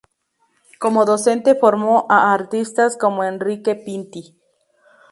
Como docente formó a artistas como Enrique Pinti.